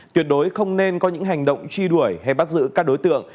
tuyệt đối không nên có những hành động truy đuổi hay bắt giữ các đối tượng